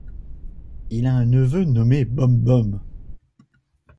Il a un neveu nommé Bom-Bom.